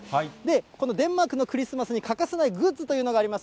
このデンマークのクリスマスに欠かせないグッズというのがあります。